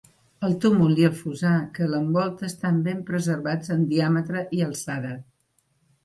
El túmul i el fossar que l'envolta estan ben preservats en diàmetre i alçada.